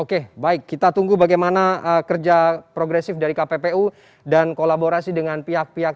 oke baik kita tunggu bagaimana kerja progresif dari kppu dan kolaborasi dengan pihak pihak